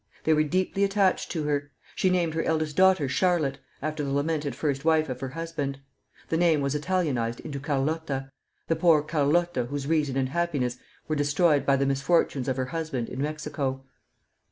They were deeply attached to her. She named her eldest daughter Charlotte, after the lamented first wife of her husband. The name was Italianized into Carlotta, the poor Carlotta whose reason and happiness were destroyed by the misfortunes of her husband in Mexico.